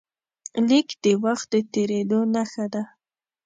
لیک د وخت د تېرېدو نښه ده.